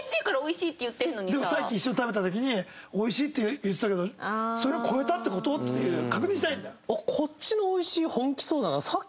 普通にでも「さっき一緒に食べた時に“おいしい”って言ってたけどそれを超えたって事？」っていう確認したいんだ？